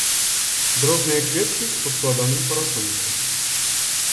Дробныя кветкі ў складаным парасоніку.